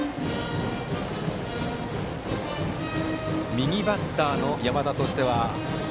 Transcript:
右バッターの山田としては。